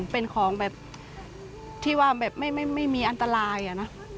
เป็นของแบบที่ว่าแบบไม่มีอันตรายอะนะ